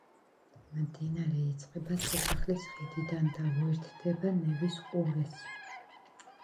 მდინარე იწყება სასახლის ხიდიდან და უერთდება ნევის ყურეს.